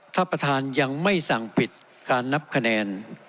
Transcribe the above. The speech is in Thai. ถ้าประธานยังไม่สั่งปิดการนับคะแนน